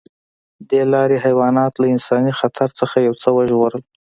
دې لارې حیوانات له انساني خطر نه یو څه وژغورل.